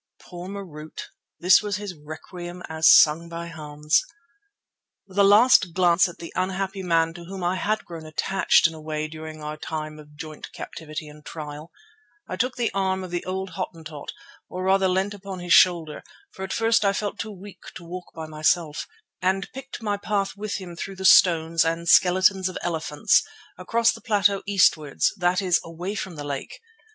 Poor Marût! This was his requiem as sung by Hans. With a last glance at the unhappy man to whom I had grown attached in a way during our time of joint captivity and trial, I took the arm of the old Hottentot, or rather leant upon his shoulder, for at first I felt too weak to walk by myself, and picked my path with him through the stones and skeletons of elephants across the plateau eastwards, that is, away from the lake.